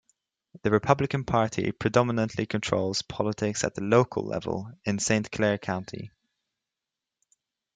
The Republican Party predominantly controls politics at the local level in Saint Clair County.